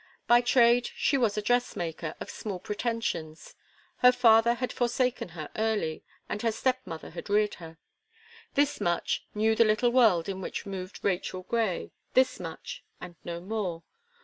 By trade, she was a dress maker, of small pretensions; her father had forsaken her early, and her step mother had reared her. This much, knew the little world in which moved Rachel Gray, this much, and no more.